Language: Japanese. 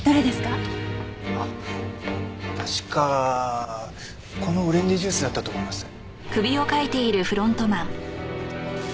あっ確かこのオレンジジュースだったと思います。